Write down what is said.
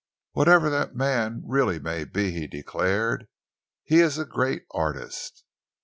"Whatever that man really may be," he declared, "he is a great artist."